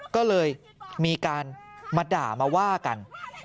ก็เลยมีการมาด่ามาว่ากัน